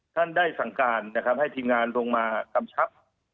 ท่านได้สั่งการนะครับให้ทีมงานลงมากำชับ